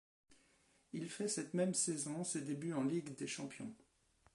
Il fait cette même saison ses débuts en Ligue des champions.